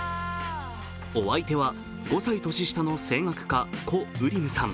お相手は５歳年下の声楽家コ・ウリムさん。